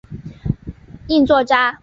应作虬。